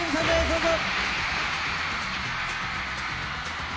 どうぞ。